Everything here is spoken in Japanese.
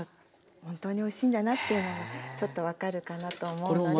本当においしいんだなっていうのがちょっと分かるかなと思うので。